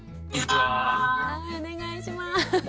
お願いします。